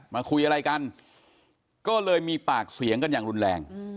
มาคุยอะไรกันก็เลยมีปากเสียงกันอย่างรุนแรง